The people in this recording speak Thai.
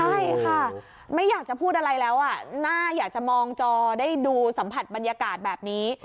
ใช่ค่ะไม่อยากจะพูดอะไรแล้วน่าอยากจะมองจอได้ดูสัมผัสบรรยากาศแบบนี้